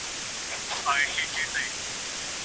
د اثر له اړخه طلاق دوه ډوله لري: رجعي او بائن.